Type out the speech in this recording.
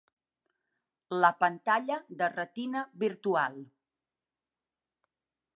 La pantalla de retina virtual.